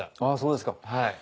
あっそうですか。